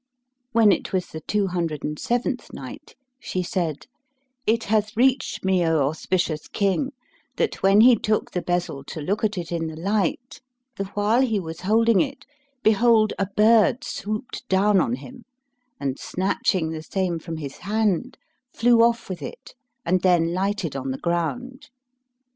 When it was the Two Hundred and Seventh Night, She said, It hath reached me, O auspicious King, that when he took the bezel to look at it in the light, the while he was holding it behold, a bird swooped down on him and, snatching the same from his hand, flew off with it and then lighted on the ground.